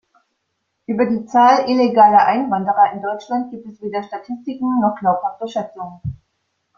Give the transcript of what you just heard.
Über die Zahl illegaler Einwanderer in Deutschland gibt es weder Statistiken noch glaubhafte Schätzungen.